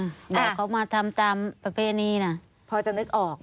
บอกเขามาทำตามประเภทนี้น่ะพอจะนึกออก